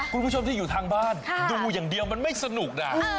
คุณผู้ชมที่อยู่ทางบ้านดูอย่างเดียวมันไม่สนุกนะ